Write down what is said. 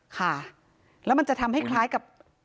ค่ะแล้วมันจะทำให้คล้ายกับ